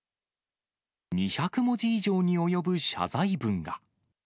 ２００文字以上に及ぶ謝罪文が。